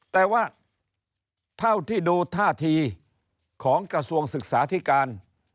แต่ว่าเท่าที่ดูท่าทีของกระทรวงศึกษาธิการ